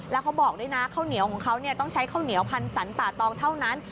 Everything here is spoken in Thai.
แล้วเขาบอกด้วยนะข้าวเหนียวของเขาต้องใช้ข้าวเหนียวพันธ์สันป่าตองเท่านั้น